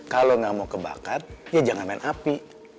kalau nggak mau kebakar ya jangan main api